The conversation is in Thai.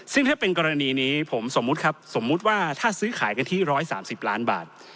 ซึ่งถ้าเป็นกรณีนี้ผมสมมุติครับสมมุติว่าถ้าซื้อขายกันที่๑๓๐ล้านบาท